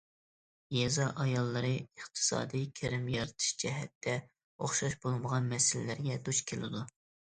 يېزا ئاياللىرى ئىقتىسادىي كىرىم يارىتىش جەھەتتە ئوخشاش بولمىغان مەسىلىلەرگە دۇچ كېلىدۇ.